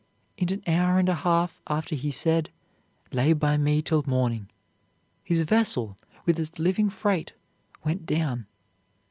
In an hour and a half after he said, 'Lay by me till morning,' his vessel, with its living freight, went down.